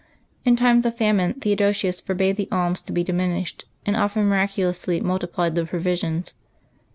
In times of famine Theodosius forbade the alms to be diminished, and often miraculously multiplied the provisions.